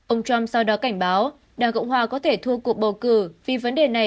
ông trump sau đó cảnh báo đảng cộng hòa có thể thu cuộc bầu cử vì vấn đề này